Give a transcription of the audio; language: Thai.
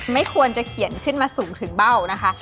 ไม่ควรจะเขียนขึ้นมาสูงถึงเบ้านะคะ